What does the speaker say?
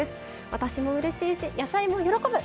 私もうれしいし野菜も喜ぶ！